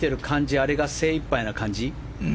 あれが精いっぱいな感じ？